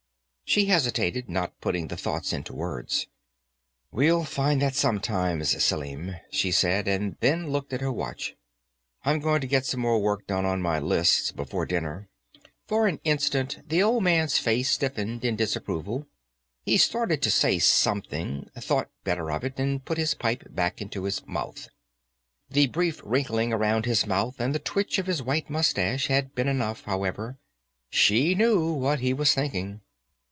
She hesitated, not putting the thought into words. "We'll find that, sometime, Selim," she said, then looked at her watch. "I'm going to get some more work done on my lists, before dinner." For an instant, the old man's face stiffened in disapproval; he started to say something, thought better of it, and put his pipe back into his mouth. The brief wrinkling around his mouth and the twitch of his white mustache had been enough, however; she knew what he was thinking.